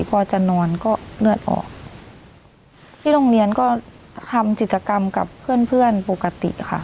พอจะนอนก็เลือดออกที่โรงเรียนก็ทำจิตกรรมกับเพื่อนเพื่อนปกติค่ะ